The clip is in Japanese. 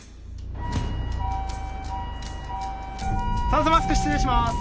酸素マスク失礼します